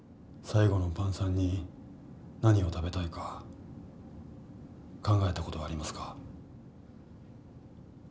最後の晩餐に何を食べたいか考えたことはありますか？